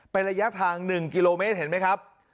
เป็นระยะทาง๑กิโลเมตรเห็นไหมครับ